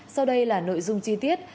sau đây là nội dung chi tiết